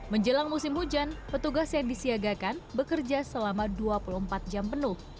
menjelang musim hujan petugas yang disiagakan bekerja selama dua puluh empat jam penuh